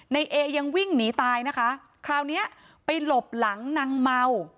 ในเอยังวิ่งหนีตายนะคะคราวเนี้ยไปหลบหลังนางเมา